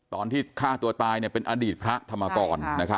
ตอนที่ฆ่าตัวตายเป็นอดีตพระธรรมกร